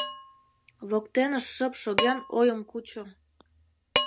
Воктенышт шып шоген, ойым кучо.